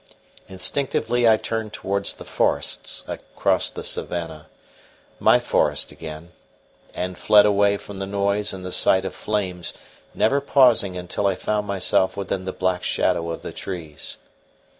Instinctively I turned towards the forests across the savannah my forest again; and fled away from the noise and the sight of flames, never pausing until I found myself within the black shadow of the trees.